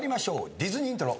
ディズニーイントロ。